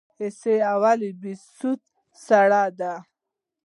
حصه اول بهسود سړه ده؟